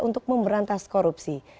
untuk memberantas korupsi